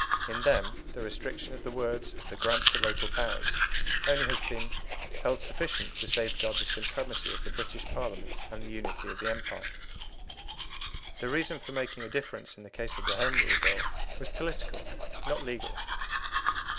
In them the restriction of the words of the grant to Local powers only has been held sufficient to safeguard the supremacy of the British Parliament and the unity of the Empire. The reason for making a difference in the case of the Home Rule Bill was political, not legal.